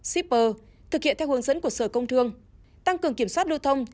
shipper thực hiện theo hướng dẫn của sở công thương tăng cường kiểm soát đô thông